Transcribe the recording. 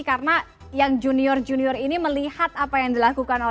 karena yang junior junior ini melihat apa yang dilakukan